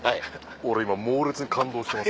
俺今猛烈に感動してます。